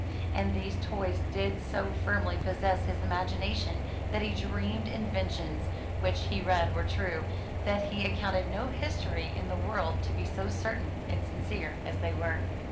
And these toys did so firmly possess his imagination that the dreamed inventions which he read were true, that he accounted no history in the world to be so certain and sincere as they were.